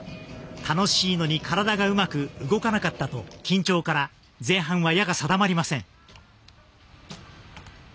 楽しいのに体がうまく動かなかったと緊張から前半は矢がうまく定まりません。